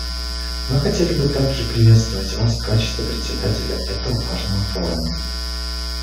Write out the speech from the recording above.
Мы хотели бы также приветствовать вас в качестве Председателя этого важного форума.